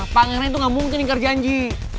pangeran itu gak mungkin ingkar janji